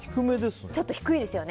ちょっと低いですよね。